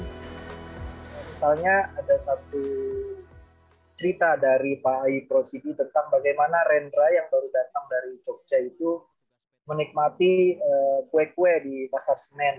misalnya ada satu cerita dari pak aikrosidi tentang bagaimana rendra yang baru datang dari jogja itu menikmati kue kue di pasar senen